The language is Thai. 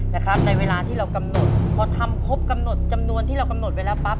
ในเวลาที่เรากำหนดพอทำครบกำหนดจำนวนที่เรากำหนดไว้แล้วปั๊บ